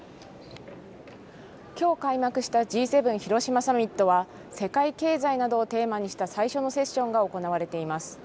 きょう開幕したＧ７広島サミットは世界経済などをテーマにした最初のセッションが行われています。